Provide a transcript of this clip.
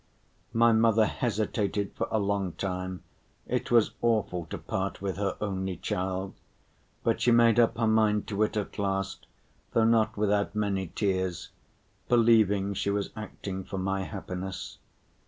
My mother hesitated for a long time, it was awful to part with her only child, but she made up her mind to it at last, though not without many tears, believing she was acting for my happiness.